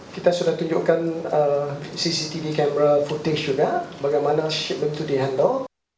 kita sudah tunjukkan cctv camera footage juga bagaimana shippment itu dihantar